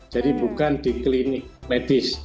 jadi bukan di klinik medis